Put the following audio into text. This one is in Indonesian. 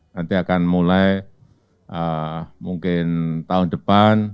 nanti akan mulai mungkin tahun depan